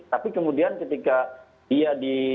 tapi kemudian ketika dia